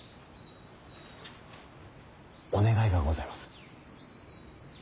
お願いがございます。